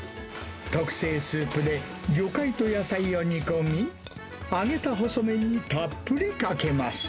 特製スープで、魚介と野菜を煮込み、揚げた細麺にたっぷりかけます。